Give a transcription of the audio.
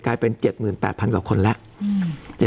กลายเป็น๗๘๐๐กว่าคนแล้ว